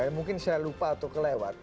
mungkin saya lupa atau kelewat